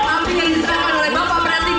ampir diserahkan oleh bapak pratinda